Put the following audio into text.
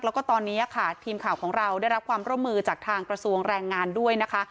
แล้วก็ตอนนี้ค่ะทีมข่าวของเราได้รับความร่วมมือจากทางกระทรวงแรงงานด้วยนะคะ